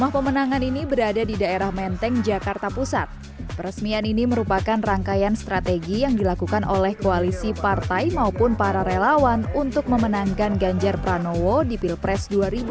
peresmian ini merupakan rangkaian strategi yang dilakukan oleh koalisi partai maupun para relawan untuk memenangkan ganjar pranowo di pilpres dua ribu dua puluh